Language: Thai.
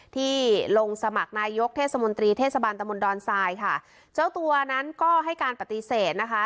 ที่ลงสมัครนายกเทศมนตรีเทศบาลตะมนตอนทรายค่ะเจ้าตัวนั้นก็ให้การปฏิเสธนะคะ